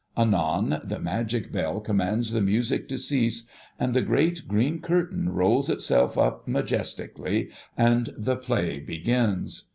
Anon, the magic bell commands the music to cease, and the great green curtain rolls itself up majestically, and The Play begins